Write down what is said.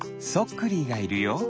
クリーがいるよ。